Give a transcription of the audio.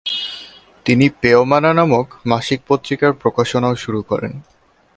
তিনি পেয়মানা নামক মাসিক পত্রিকার প্রকাশনাও শুরু করেন।